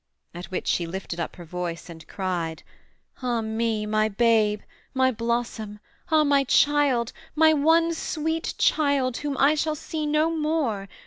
At which she lifted up her voice and cried. 'Ah me, my babe, my blossom, ah, my child, My one sweet child, whom I shall see no more!